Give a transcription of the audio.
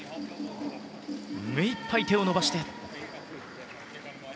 目いっぱい手を伸ばして。